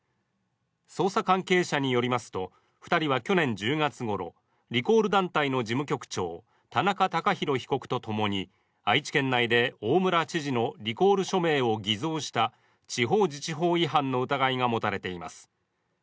捜査関係者によりますと、２人は去年１０月ごろ、リコール団体の事務局長田中孝博被告とともに愛知県内で大村知事のリコール署名を偽造した地方自治法違反の疑いが持たれています。